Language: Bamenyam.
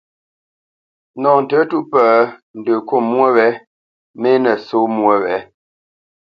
Nɔ ntə̌tûʼ pə̂, ndə kût mwô wě mê nə̂ só mwô wě.